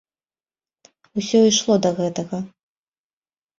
Усё ішло да гэтага.